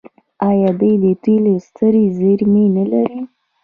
آیا دوی د تیلو سترې زیرمې نلري؟